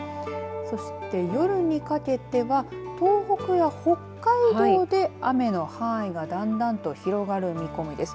そして夜にかけては東北や北海道で雨の範囲がだんだんと広がる見込みです。